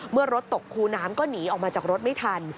เมื่อรถตกคูน้ำก็หนีออกมาจากรถไม่ทัน